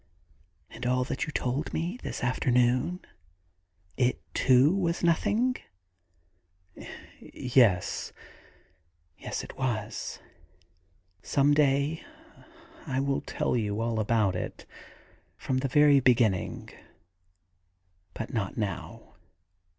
'And all that you told me this afternoon — it, too, was nothing ?' *Yes — yes, it was. Some day I will tell you all about it, from the very beginning, but not now.